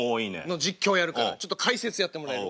の実況やるからちょっと解説やってもらえる？